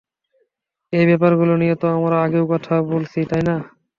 এই ব্যাপারগুলো নিয়ে তো আমরা আগেও কথা বলেছি, তাই না?